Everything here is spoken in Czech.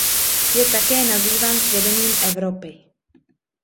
Je také nazýván svědomím Evropy.